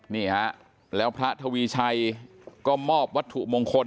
นี่ฮะแล้วพระทวีชัยก็มอบวัตถุมงคล